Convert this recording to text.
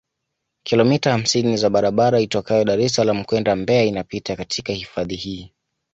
Kilomita hamsini za barabara itokayo Dar es Salaam kwenda Mbeya inapita katika hifadhi hii